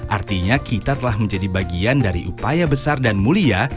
artinya kita telah menjadi bagian dari upaya besar dan mulia